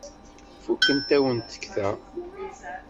Fukent-awen tekta.